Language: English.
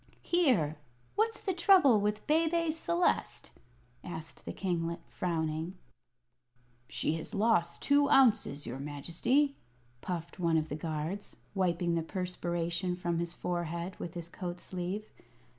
"Here! what's the trouble with Bebe Celeste?" asked the kinglet, frowning. [Illustration: BÉBÉ CELESTE] "She has lost two ounces, your Majesty," puffed one of the guards, wiping the perspiration from his forehead with his coat sleeve.